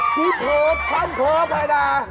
ที่พบพันธ์พอพระดา